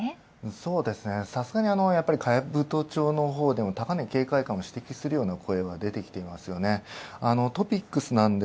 そうですね、さすがに兜町のほうでも、高値、警戒感しているような声は出てきていますよね。